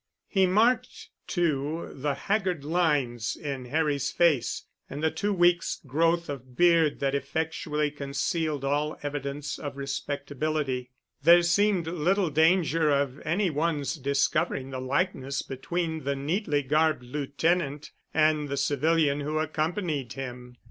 He marked, too, the haggard lines in Harry's face, and the two weeks' growth of beard that effectually concealed all evidence of respectability. There seemed little danger of any one's discovering the likeness between the neatly garbed lieutenant and the civilian who accompanied him.